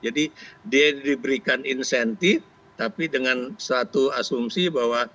jadi dia diberikan incentive tapi dengan suatu asumsi bahwa